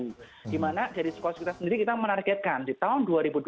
dan di mana dari sukor sekuritas sendiri kita menargetkan di tahun dua ribu dua puluh dua